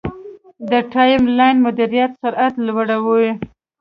د ټایملاین مدیریت سرعت لوړوي.